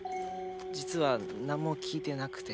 実は何も聴いてなくて。